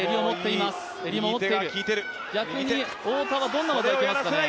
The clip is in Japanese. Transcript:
逆に太田はどんな技いきますかね。